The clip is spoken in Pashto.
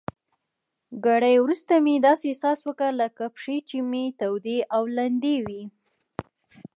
ګړی وروسته مې داسې احساس وکړل لکه پښې چي مې تودې او لندې وي.